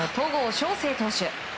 翔征投手。